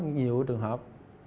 có nhiều trường hợp